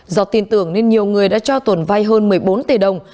do tin tưởng nên nhiều người đã cho tồn vai hơn một mươi bốn tỷ đồng